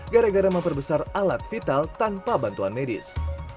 gara gara memperbesar alat vital tanpa bantuan medis